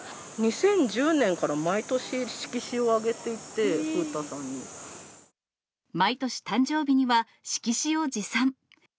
２０１０年から毎年、色紙をあげ毎年、誕生日には色紙を持参。